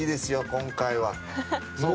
今回は。